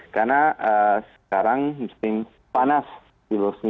karena sekarang muslim panas di bosnia